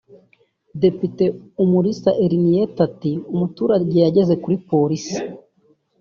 Depite Umulisa Henriette ati « umuturage yageze kuri Polisi